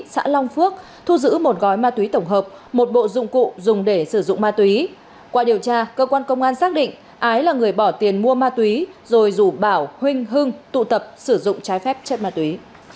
xã long phước thu giữ một gói ma túy tổng hợp một bộ dụng cụ dùng để sử dụng ma túy qua điều tra cơ quan công an xác định ái là người bỏ tiền mua ma túy rồi rủ bảo huynh hưng tụ tập sử dụng trái phép chất ma túy